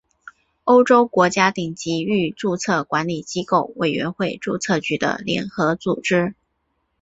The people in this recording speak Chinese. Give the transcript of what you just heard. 欧洲国家顶级域注册管理机构委员会注册局的联合组织。